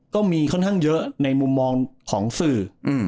ก็มีค่อนข้างเยอะในมุมมองของสื่อ